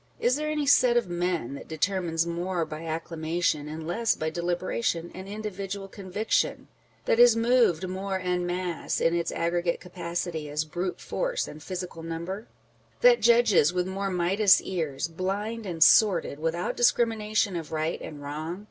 Is there any set of men that determines more by acclamation, and less by deliberation and individual conviction ? â€" that is moved more en masse, in its aggregate capacity, as brute force and physical number ? â€" that judges with more Midas ears, blind and sordid, without discrimination of right and wrong